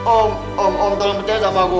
om om om tolong percaya sama aku om